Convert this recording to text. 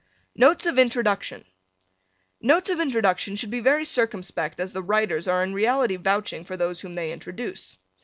NOTES OF INTRODUCTION Notes of introduction should be very circumspect as the writers are in reality vouching for those whom they introduce.